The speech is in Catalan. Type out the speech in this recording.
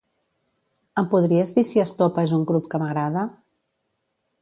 Em podries dir si Estopa és un grup que m'agrada?